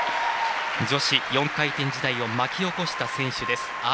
女子４回転時代を巻き起こした選手。